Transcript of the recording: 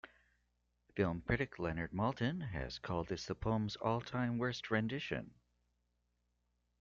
Film critic Leonard Maltin has called this the poem's all-time worst rendition.